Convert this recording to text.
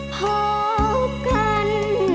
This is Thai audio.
พบกัน